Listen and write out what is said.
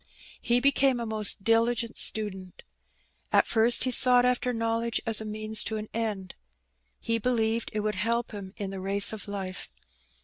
He became a most diligent student. At first he sought after knowledge as a means to an end. He believed that it would help him in the race of life.